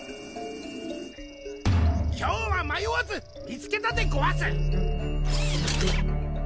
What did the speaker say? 今日はまよわず見つけたでごわす！